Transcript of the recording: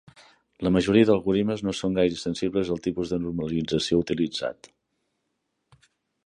La majoria d'algoritmes no són gaire sensibles al tipus de normalització utilitzat.